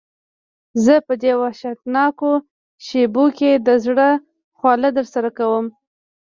زه په دې وحشتناکو شېبو کې د زړه خواله درسره کوم.